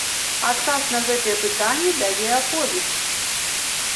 Адказ на гэтыя пытанні дае аповесць.